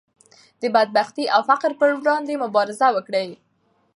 د بدبختۍ او فقر پر وړاندې مبارزه وکړئ.